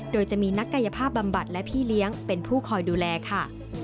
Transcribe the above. โดยจะมีนักกายภาพบำบัดและพี่เลี้ยงเป็นผู้คอยดูแลค่ะ